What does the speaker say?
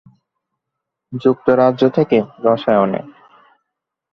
যুক্তরাজ্য থেকে রসায়নে।